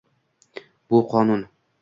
Bu qonun